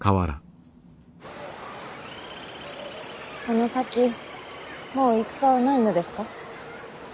この先もう戦はないのですか？